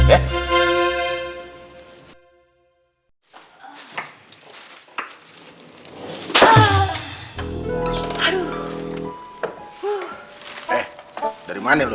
eh dari mana lo